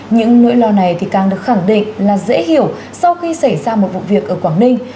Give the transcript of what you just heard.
những nỗi lo này càng được khẳng định là dễ hiểu sau khi xảy ra một vụ việc ở quảng ninh